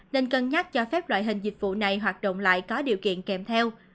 nên cân nhắc cho phép loại hình dịch vụ này hoạt động lại có điều kiện kèm theo